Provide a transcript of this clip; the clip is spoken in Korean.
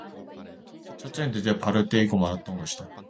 첫째는 드디어 밭을 떼이고 말았던 것이다.